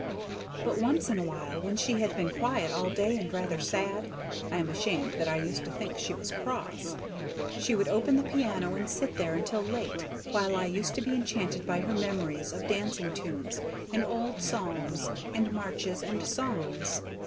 But once in a while when she had been quiet all day and rather sad I am ashamed that I used to think she was cross she would open the piano and sit there until late, while I used to be enchanted by her memories of dancing tunes, and old psalms, and marches and songs.